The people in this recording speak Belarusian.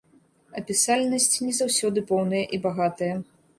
Апісальнасць не заўсёды поўная і багатая.